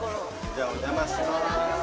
じゃお邪魔しまーす。